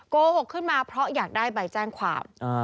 โกหกขึ้นมาเพราะอยากได้ใบแจ้งความ